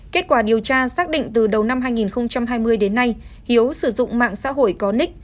kết quả điều tra xác định từ đầu năm hai nghìn hai mươi đến nay hiếu sử dụng mạng xã hội có nick